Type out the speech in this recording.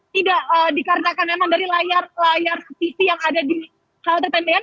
tidak dikarenakan memang dari layar tv yang ada di halte tendean